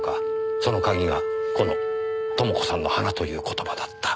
その鍵がこの「朋子さんの花」という言葉だった。